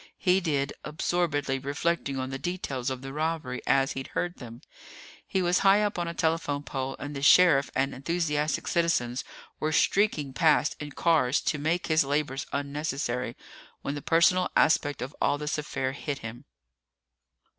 He did, absorbedly reflecting on the details of the robbery as he'd heard them. He was high up on a telephone pole and the sheriff and enthusiastic citizens were streaking past in cars to make his labors unnecessary, when the personal aspect of all this affair hit him.